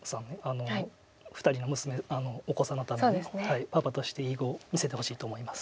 ２人のお子様方のパパとしていい碁を見せてほしいと思います。